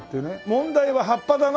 問題は葉っぱだな。